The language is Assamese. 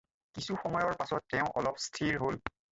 কিছু সময়ৰ পাচত তেওঁ অলপ স্থিৰ হ'ল।